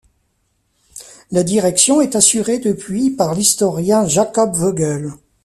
La direction est assurée depuis le par l’historienn Jakob Vogel.